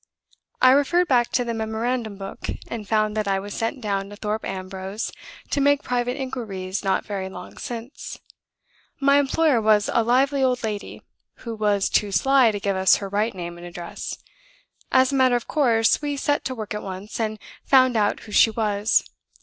I referred back to the memorandum book, and found that I was sent down to Thorpe Ambrose to make private inquiries not very long since. My employer was a lively old lady, who was too sly to give us her right name and address. As a matter of course, we set to work at once, and found out who she was.